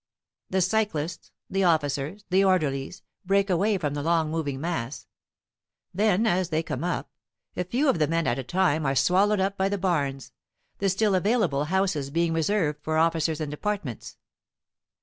The cyclists, the officers, the orderlies, break away from the long moving mass. Then, as they come up, a few of the men at a time are swallowed up by the barns, the still available houses being reserved for officers and departments.